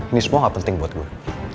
ini semua gak penting buat gue